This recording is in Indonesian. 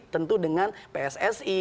tentu dengan pssi